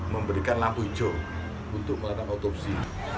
memberikan lampu hijau untuk melakukan otopsi